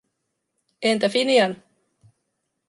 Entä Finian?